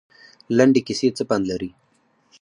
لنډې کیسې څه پند لري؟